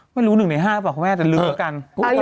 ไม่รู้๑ใน๕หรือเปล่าคุณแม่แต่ลื้อกัน